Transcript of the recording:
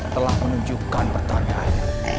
telah menunjukkan pertandaan